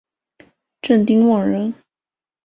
郑丁旺人。